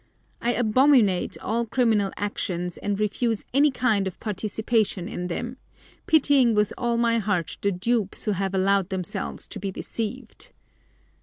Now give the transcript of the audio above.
I abominate all criminal actions and refuse any kind of participation in them, pitying with all my heart the dupes who have allowed themselves to be deceived.